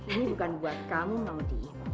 ini bukan buat kamu maudie